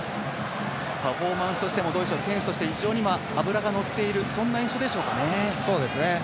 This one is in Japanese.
パフォーマンスとしても選手として脂がのっているそんな印象でしょうかね。